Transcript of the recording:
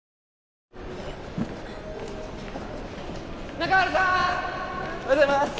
おはようございます。